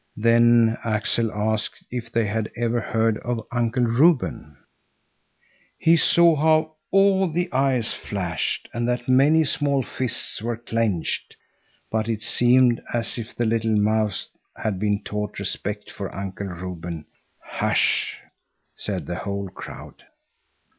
Then Axel asked if they had ever heard of Uncle Reuben. He saw how all the eyes flashed and that many small fists were clenched, but it seemed as if the little mouths had been taught respect for Uncle Reuben. "Hush!" said the whole crowd.